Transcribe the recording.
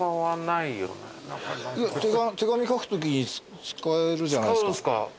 いや手紙書くときに使えるじゃないですか。